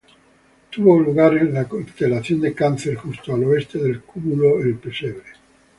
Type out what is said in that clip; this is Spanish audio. Tuvo lugar en la constelación de Cáncer, justo al oeste del Cúmulo El Pesebre.